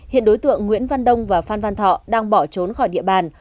hiện đối tượng nguyễn văn đông và phan văn thọ đang bỏ trốn khỏi địa bàn